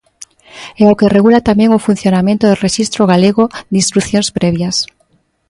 E ao que regula tamén o funcionamento do Rexistro galego de instrucións previas.